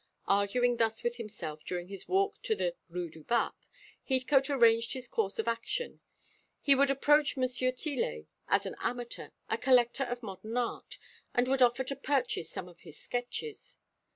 Arguing thus with himself during his walk to the Rue du Bac, Heathcote arranged his course of action. He would approach M. Tillet as an amateur, a collector of modern art, and would offer to purchase some of his sketches.